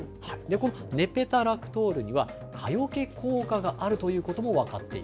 このネペタラクトールには、蚊よけ効果があるということも分かっ